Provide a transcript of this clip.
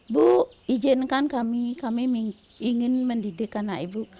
bu izinkan kami kami ingin mendidik anak ibu